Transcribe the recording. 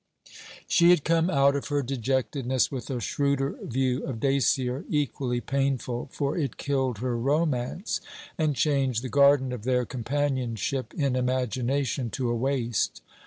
She had come out of her dejectedness with a shrewder view of Dacier; equally painful, for it killed her romance, and changed the garden of their companionship in imagination to a waste.